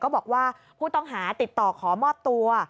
บอกว่าผู้ต้องหาติดต่อขอมอบตัว